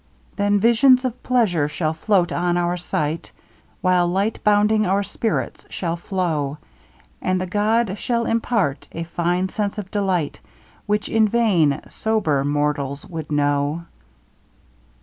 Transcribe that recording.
Then visions of pleasure shall float on our sight, While light bounding our spirits shall flow; And the god shall impart a fine sense of delight Which in vain sober mortals would know.